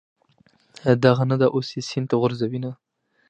دغه نه ده، اوس یې سین ته غورځوینه.